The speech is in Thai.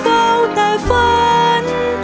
เบาแต่ฝัน